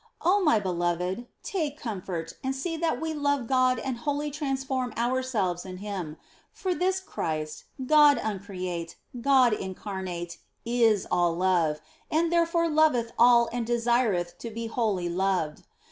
Oh my beloved, take comfort, and see that we love God and wholly transform ourselves in Him ; for this Christ, God uncreate, God incarnate, is all love, and therefore loveth all and desireth to be wholly loved.